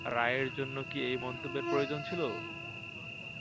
রায়ের জন্য কি এই মন্তব্যের প্রয়োজন ছিল?